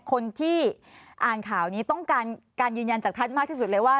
คนที่อ่านข่าวนี้ต้องการการยืนยันจากท่านมากที่สุดเลยว่า